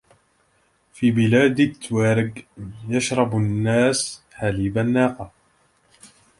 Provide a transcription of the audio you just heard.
في بلاد التوارق ، يشرب الناس حليب الناقة.